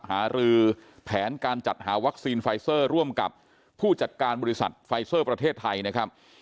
หารือแผนการจัดหาวัคซีนไฟเซอร์ร่วมกับผู้จัดการบริษัทไฟเซอร์ประเทศไทยนะครับ